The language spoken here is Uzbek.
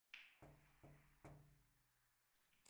Na farzand, na ishq dog’i.